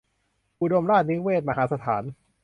อุดมราชนิเวศน์ มหาสถาน